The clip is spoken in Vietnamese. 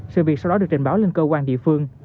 sự việc sau đó được trình báo lên cơ quan địa phương